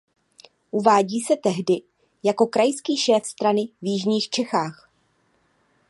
Uvádí se tehdy jako krajský šéf strany v jižních Čechách.